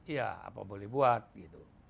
iya apa boleh buat gitu